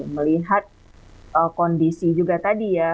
melihat kondisi juga tadi ya